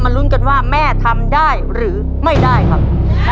ลุ้นกันว่าแม่ทำได้หรือไม่ได้ครับ